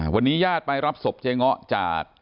วันนี้ญาติไปรับศพเจ๊เงาะจาก